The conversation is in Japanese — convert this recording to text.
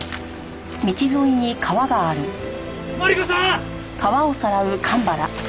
マリコさん！